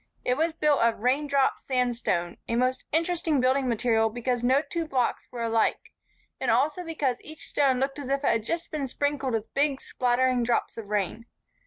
It was built of "raindrop" sandstone, a most interesting building material because no two blocks were alike and also because each stone looked as if it had just been sprinkled with big, spattering drops of rain.